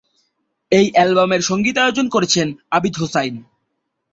এই অ্যালবামের সঙ্গীতায়োজন করেছেন আবিদ হোসাইন।